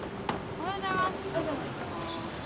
おはようございます。